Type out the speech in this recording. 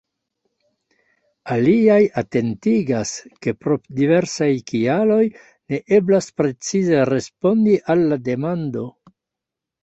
Aliaj atentigas, ke pro diversaj kialoj ne eblas precize respondi al la demando.